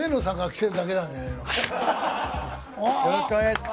よろしくお願いします。